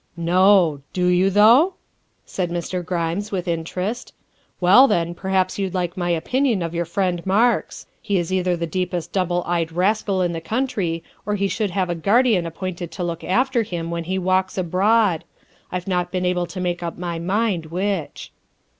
'' No ! Do you, though ?'' said Mr. Grimes with inter est. " Well, then, perhaps you'd like my opinion of your friend Marks. He is either the deepest double dyed rascal in the country, or he should have a guardian THE SECRETARY OF STATE 341 appointed to look after him when he walks abroad. I 've not been able to make up my mind which.